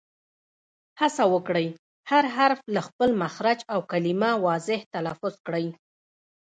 هڅه وکړئ، هر حرف له خپل مخرج او کلیمه واضیح تلفظ کړئ!